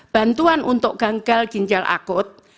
bantuan untuk gagal ginjal akut